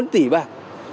ba bốn tỷ bạc